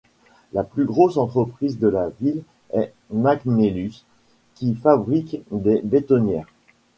La plus grosse entreprise de la ville est McNeilus, qui fabrique des bétonnières.